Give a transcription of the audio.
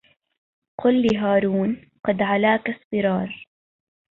قل لهارون قد علاك اصفرار